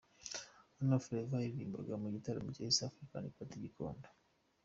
Hano Flavour yaririmbaga mu gitaramo cya East African Party i Gikondo.